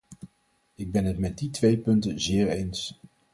Ik ben het met die twee punten zeer eens.